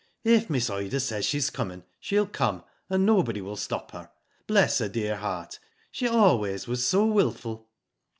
'* If Miss Ida says she's coming, she'll come, and no body will stop her. Bless her dear heart, she always was so wilful."